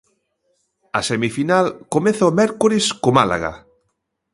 A semifinal comeza o mércores co Málaga.